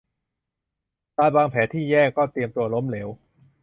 การวางแผนที่แย่ก็เตรียมตัวล้มเหลว